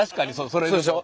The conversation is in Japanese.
そうでしょ？